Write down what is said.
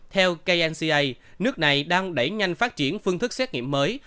theo kca nước này đang đẩy nhanh phát triển phương thức xét nghiệm mới